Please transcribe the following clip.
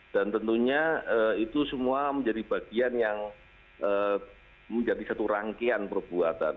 dan tentunya itu semua menjadi bagian yang menjadi satu rangkaian perbuatan